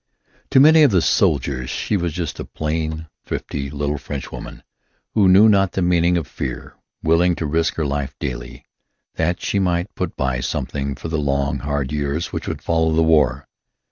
To many of the soldiers she was just a plain, thrifty little Frenchwoman who knew not the meaning of fear, willing to risk her life daily, that she might put by something for the long hard years which would follow the war.